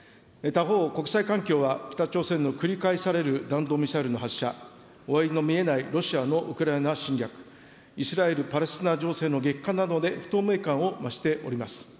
他方、国際環境は北朝鮮の繰り返される弾道ミサイルの発射、終わりの見えないロシアのウクライナ侵略、イスラエル・パレスチナ情勢の激化などで、不透明感を増しております。